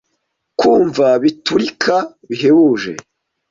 kumva biturika bihebuje